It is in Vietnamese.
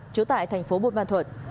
trú tại thành phố bùn ma thuận